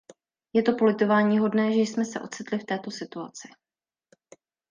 Je to politováníhodné, že jsme se ocitli v této situaci.